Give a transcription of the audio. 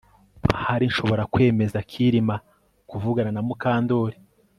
Ahari nshobora kwemeza Kirima kuvugana na Mukandoli